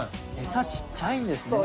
餌ちっちゃいんですね。